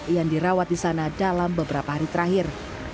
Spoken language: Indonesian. yang dirawat di sana dalam beberapa hari terakhir